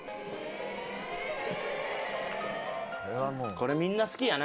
これみんな好きやな。